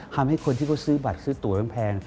ทำให้คนที่ซื้อบัตรซื้อตั๋วแพง